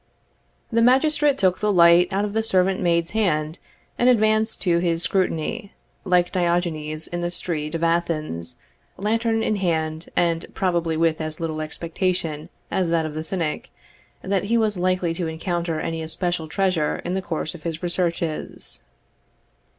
The magistrate took the light out of the servant maid's hand, and advanced to his scrutiny, like Diogenes in the street of Athens, lantern in hand, and probably with as little expectation as that of the cynic, that he was likely to encounter any especial treasure in the course of his researches.